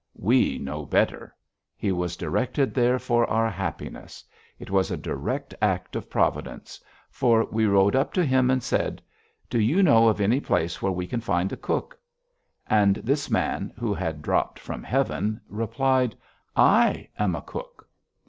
We know better. He was directed there for our happiness. It was a direct act of Providence. For we rode up to him and said: "Do you know of any place where we can find a cook?" And this man, who had dropped from heaven, replied: "_I am a cook.